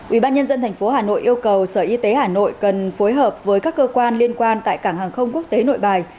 ubnd tp hà nội yêu cầu sở y tế hà nội cần phối hợp với các cơ quan liên quan tại cảng hàng không quốc tế nội bài